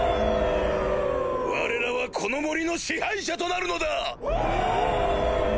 われらはこの森の支配者となるのだ！